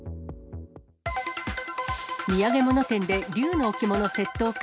土産物店で龍の置物窃盗か。